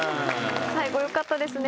最後よかったですね。